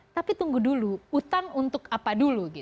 tapi tunggu dulu utang untuk apa dulu